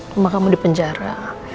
mama kamu di penjara